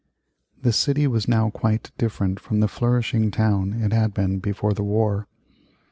The city was now quite different from the flourishing town it had been before the war.